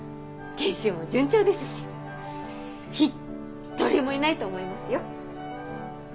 研修も順調ですし一人もいないと思いますよ。